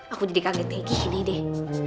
aku jadi kaget kayak gini deh